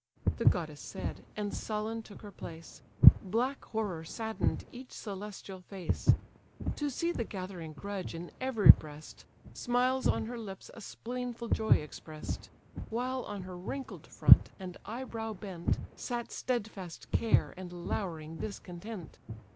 The goddess said, and sullen took her place; Black horror sadden'd each celestial face. To see the gathering grudge in every breast, Smiles on her lips a spleenful joy express'd; While on her wrinkled front, and eyebrow bent, Sat stedfast care, and lowering discontent.